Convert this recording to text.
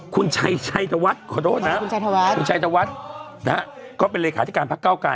คุณชัยชัยทวัดขอโทษนะคุณชัยทวัดคุณชัยทวัดนะฮะก็เป็นเลยขาดิการพักเก้าไก่